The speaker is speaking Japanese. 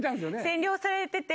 占領されてて。